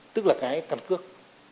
tức là cái căn cước